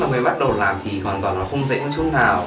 lúc khi mà mới bắt đầu làm thì hoàn toàn nó không dễ như chúng nào